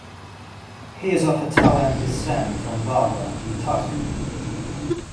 He is of Italian descent from Barga, in Tuscany.